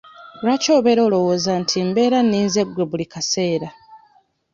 Lwaki obeera olwowooza nti mbeera nninze gwe buli kaseera?